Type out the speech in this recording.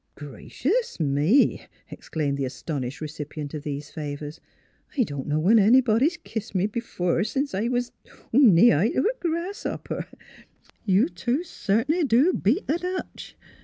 " Gracious me !" exclaimed the astonished recipient of these favors. " I don't know when anybody's kissed me b'fore sence I was knee high NEIGHBORS 79 t' a grasshopper.. You two cert'nly do beat the Dutch.